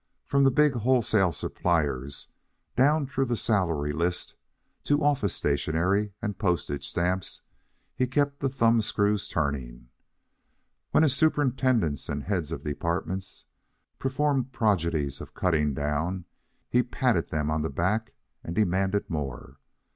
From the big wholesale suppliers down through the salary list to office stationery and postage stamps, he kept the thumb screws turning. When his superintendents and heads of departments performed prodigies of cutting down, he patted them on the back and demanded more.